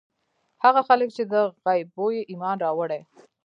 هغه خلک چې په غيبو ئې ايمان راوړی